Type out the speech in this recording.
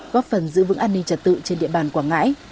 góp phần giữ vững an ninh trật tự trên địa bàn quảng ngãi